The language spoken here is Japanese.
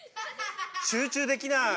集中できない。